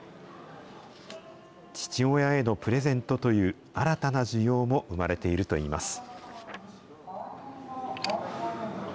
父親へのプレゼントという、新たな需要も生まれているといいます。